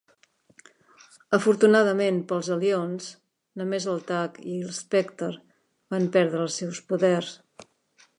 Afortunadament per als Hellions, només el Tag i l'Specter van perdre els seus poders.